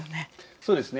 そうですね。